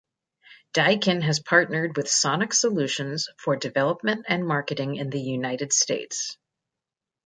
Daikin has partnered with Sonic Solutions for development and marketing in the United States.